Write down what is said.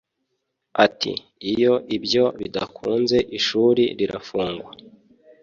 Ati “ Iyo ibyo bidakunze ishuri rirafungwa